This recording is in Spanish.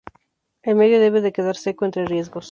El medio debe de quedar seco entre riegos.